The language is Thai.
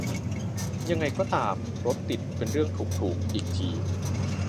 ยังไงก็ตาม "รถติดเป็นเรื่องถูก-ถูก" อีกที